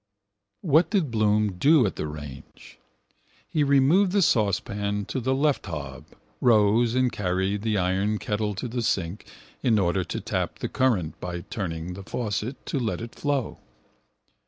What did Bloom do at the range? He removed the saucepan to the left hob, rose and carried the iron kettle to the sink in order to tap the current by turning the faucet to let it flow.